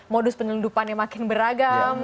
modus penyelundupan yang makin beragam